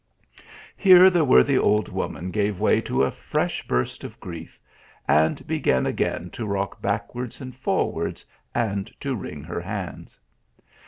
Here the worthy old woman gave way to a fresh burst of grief, and began again to rock backwards and forwards, and to wring her hands.